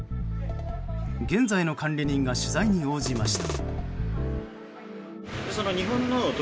現在の管理人が取材に応じました。